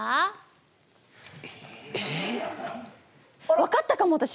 分かったかも私。